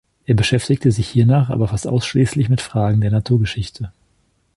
Er beschäftigte sich hiernach aber fast ausschließlich mit Fragen der Naturgeschichte.